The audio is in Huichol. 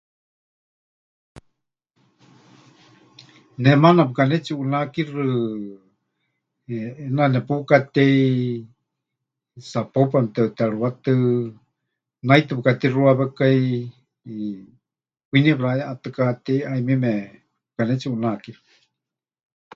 Ne maana pɨkanetsiʼunakixɨ, ʼeena nepukatei, Zapopan meteʼuterɨwátɨ, naitɨ pɨkatixuawékai, eh, kwinie pɨrayeʼatɨkatéi, hayumieme pɨkanetsiʼunakixɨ.